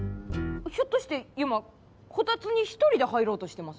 ひょっとしてユマこたつに一人で入ろうとしてます？